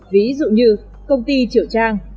ví dụ như công ty triều trang